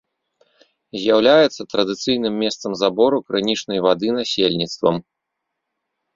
З'яўляецца традыцыйным месцам забору крынічнай вады насельніцтвам.